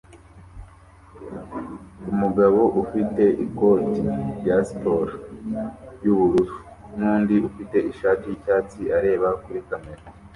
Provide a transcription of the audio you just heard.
Umugabo ufite ikoti rya siporo yubururu nundi ufite ishati yicyatsi areba kuri kamera